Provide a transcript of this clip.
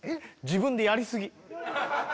自分でやりすぎ。